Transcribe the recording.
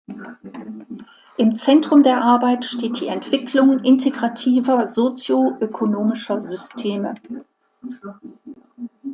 Im Zentrum der Arbeit steht die Entwicklung integrativer sozioökonomischer Systeme.